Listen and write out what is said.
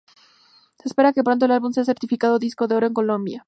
Se espera que pronto el álbum sea certificado disco de Oro en Colombia.